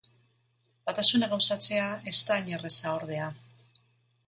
Batasuna gauzatzea ez da hain erraza, ordea.